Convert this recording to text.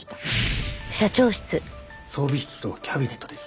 装備室とキャビネットです。